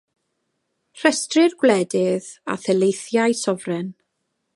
Rhestrir gwledydd a thaleithiau sofren.